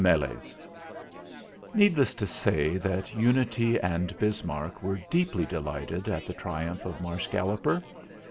MELES Needless to say that Unity and Bismarck were deeply delighted at the triumph of Marsh Galloper.